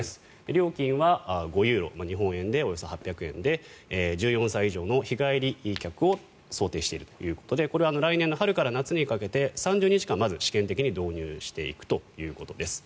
料金は５ユーロ日本円でおよそ８００円で１４歳以上の日帰り客を想定しているということでこれは来年春から夏にかけて３０日間、まず試験的に導入していくということです。